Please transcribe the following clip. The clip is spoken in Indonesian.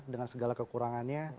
dengan segala kekurangannya